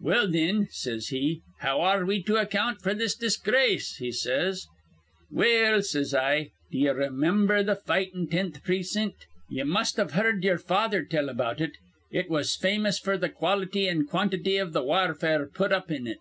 'Well, thin,' says he, 'how ar re we to account f'r this disgrace?' he says. "'Well,' says I, 'd'ye raymimber th' fightin' tenth precint? Ye must've heerd ye'er father tell about it. It was famous f'r th' quality an' quantity iv th' warfare put up in it.